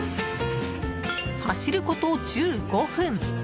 走ること１５分。